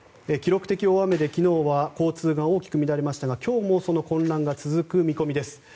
昨日の雨で交通が大きく乱れましたが今日もその混乱が続く見込みです。